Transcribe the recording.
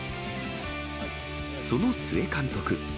その須江監督。